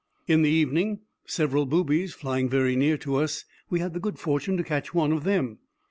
] In the evening, several boobies flying very near to us, we had the good fortune to catch one of them.